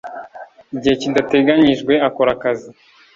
igihe kidateganyijwe akora akazi